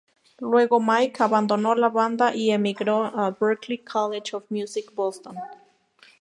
Luego Mike abandonó la banda y emigró a Berklee College of Music, Boston.